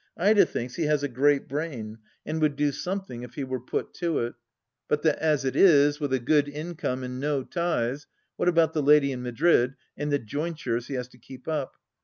Ida thinks he has a great brain and would do something if he were put to it, but that as it is, with a good income and no ties (what about the lady in Madrid and the jointures he has to keep up